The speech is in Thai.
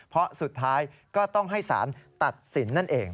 เพราะสุดท้ายก็ต้องให้สารตัดสินนั่นเอง